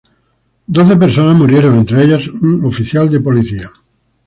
Doce personas murieron, entre ellas un oficial de policía.